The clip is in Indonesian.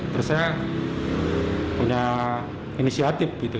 terus saya punya inisiatif gitu